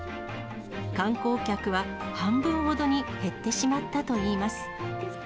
観光客は半分ほどに減ってしまったといいます。